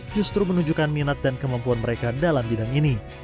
justru menunjukkan minat dan kemampuan mereka dalam bidang ini